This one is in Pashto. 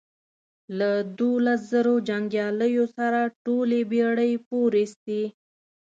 له دوولس زرو جنګیالیو سره ټولې بېړۍ پورېستې.